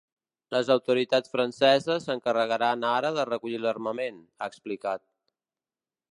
Les autoritats franceses s’encarregaran ara de recollir l’armament, ha explicat.